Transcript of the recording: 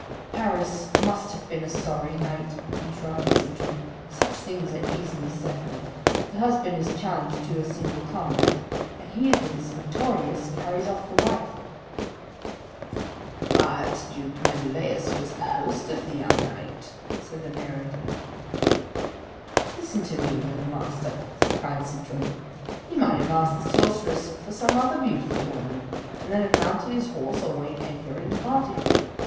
"Paris must have been a sorry knight," interrupted Sintram. "Such things are easily settled. The husband is challenged to a single combat, and he that is victorious carries off the wife." "But Duke Menelaus was the host of the young knight," said the narrator. "Listen to me, little Master," cried Sintram; "he might have asked the sorceress for some other beautiful woman, and then have mounted his horse, or weighed anchor, and departed."